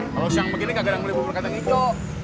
kalo siang begini kagak ada yang beli bubur kata nico